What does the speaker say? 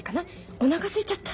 おなかすいちゃった。